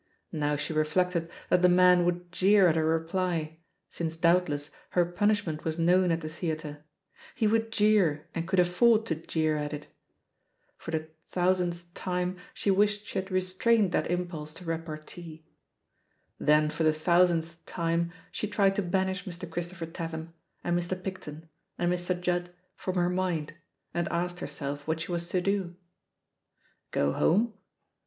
Now she reflected that the man would jeer at her reply, since doubtless her punishment was known at the theatre; he wotdd jeer and oould afi^ord to jeer at it. For the thousandth 174 {THE POSITION DS PEGGY HABFEB tone die wished she had restrained that impulse to repartee. Then for the thousandth time sht tried to banish Mr. Christopher Tatham, and Mr# !Picton» and Mr. Judd from her poind and asked berself what she was to do. !Go home?